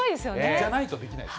じゃないとできないです。